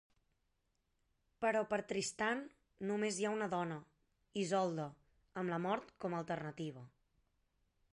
Però per Tristan només hi ha una dona, Isolde, amb la Mort com a alternativa.